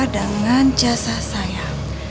dengan jasa saya